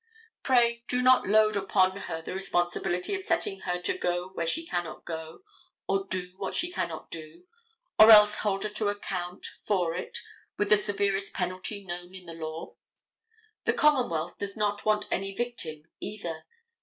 Pray, do not load upon her the responsibility of setting her to go when she cannot go, or do what she cannot do, or else hold her to account for it with the severest penalty known in the law. The commonwealth does not want any victim, either.